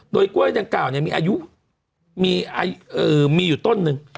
โดยกล้วยจังกล่าวเนี่ยมีอายุมีอายุเออมีอยู่ต้นนึง